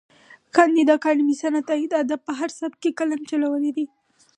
کانديد اکاډميسن عطايي د ادب په هر سبک کې قلم چلولی دی.